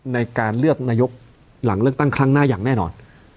ในการเลือกนายกหลังเลือกตั้งครั้งหน้าอย่างแน่นอน